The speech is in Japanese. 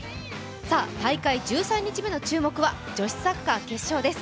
さあ、大会１３日目の注目は女子サッカー決勝です。